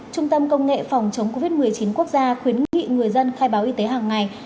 trung tâm công nghệ phòng chống covid một mươi chín quốc gia khuyến nghị người dân khai báo y tế hàng ngày